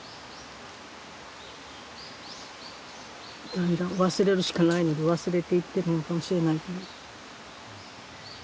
だんだん忘れるしかないので忘れていってるのかもしれないけど。